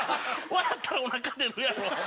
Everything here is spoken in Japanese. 笑ったらおなか出るやろお前。